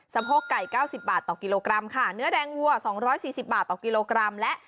สะโพกไก่๙๐บาทต่อกกค่ะเนื้อแดงวั่ว๒๔๐บาทต่อกกและ